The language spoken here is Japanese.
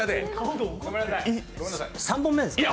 ３本目ですか？